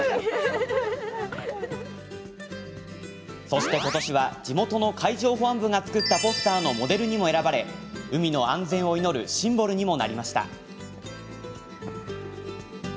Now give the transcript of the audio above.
そして、ことしは地元の海上保安部が作ったポスターのモデルにも選ばれ海の安全を祈るシンボルにもなりました。